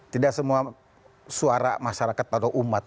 tidak semua suara masyarakat atau umat